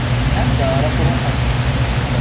Anda ara tṛuḥem?